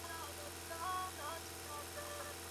Tutaonana kesho majaliwa